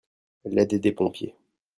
l'aide des pompiers.